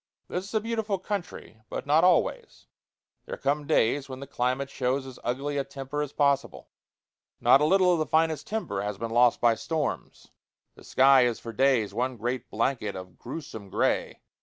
This is a beautiful country, but not always; there come days when the climate shows as ugly a temper as possible. Not a little of the finest timber has been lost by storms. The sky is for days one great blanket of grewsome gray.